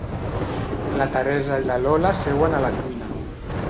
La Teresa i la Lola seuen a la cuina.